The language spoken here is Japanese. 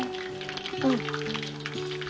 うん。